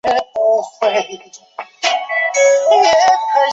卡内德萨拉尔。